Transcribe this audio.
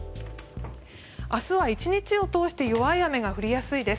明日は１日を通して弱い雨が降りやすいです。